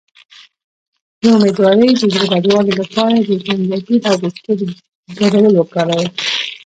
د امیدوارۍ د زړه بدوالي لپاره د زنجبیل او بسکټ ګډول وکاروئ